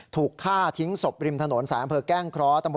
ถูกฆ่าทิ้งศพริมถนนสายอำเภอแก้งเคราะห์